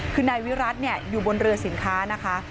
คือนายวิรัติอยู่บนเรือสินค้านะคะ